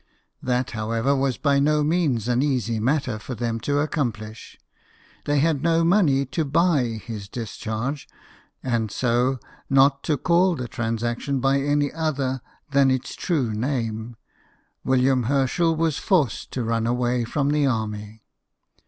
That, how ever, was by no means an easy matter for them to accomplish. They had no money to buy his discharge, and so, not to call the transaction by any other than its true name, William Herschel was forced to run away from the army.